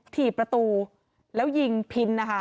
ถีบประตูแล้วยิงพิ้น